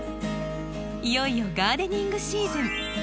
いよいよガーデニングシーズン！